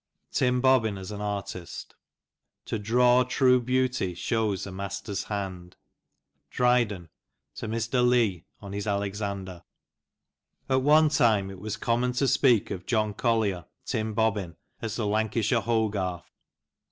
TIM BOBBIN AS AN ARTIST. To draw true beauty shows a master's hand. — Dry den, To Mr* Lte on his Alexander, AT one time it was common to speak of John Collier ("Tim Bobbin") as the Lancashire Hogarth.